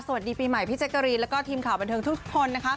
สวัสดีปีใหม่พี่เจ๊กรีและทีมข่าวบันเทิงทุกคน